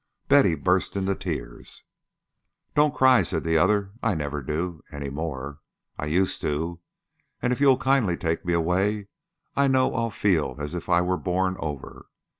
Betty burst into tears. "Don't cry," said the other. "I never do any more. I used to. And if you'll kindly take me away, I know I'll feel as if I were born over.